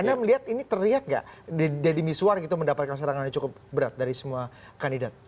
tapi lihat ini terlihat gak deddy miswar itu mendapatkan serangan yang cukup berat dari semua kandidat